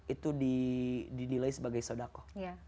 itu didilai sebagai sodako